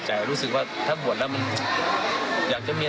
จริงพูดมานานแล้วอยากจะบวช